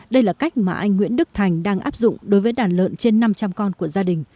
đây là cách mà anh nguyễn đức thành đang áp dụng đối với đàn lợn trên năm trăm linh con của gia đình